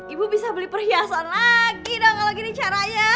ibu bisa beli perhiasan lagi dong kalau gini caranya